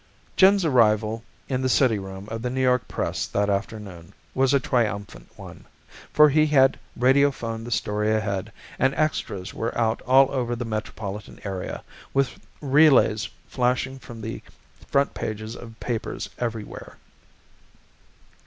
Jim's arrival in the city room of The New York Press that afternoon was a triumphant one, for he had radio phoned the story ahead and extras were out all over the metropolitan area, with relays flashing from the front pages of papers everywhere.